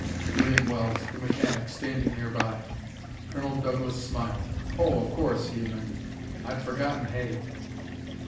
put in Wells, the mechanic, standing nearby. Colonel Douglas smiled. "Oh, of course!" he amended. "I'd forgotten Hay!"